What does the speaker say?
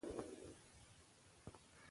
لوستې میندې د ناروغۍ پر وړاندې چمتو وي.